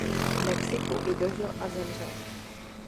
V Mexiku i dožil a zemřel.